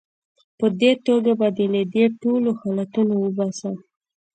په دې توګه به دې له دې ټولو حالتونو وباسم.